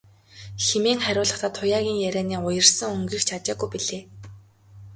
хэмээн хариулахдаа Туяагийн ярианы уярсан өнгийг ч ажаагүй билээ.